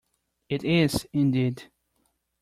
It is, indeed!